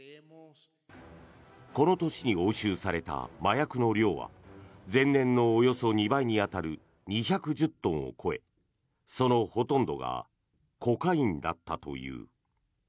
この年に押収された麻薬の量は前年のおよそ２倍に当たる２１０トンを超えそのほとんどがコカインだったという。